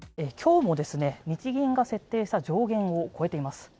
今日も日銀が設定した上限を超えています。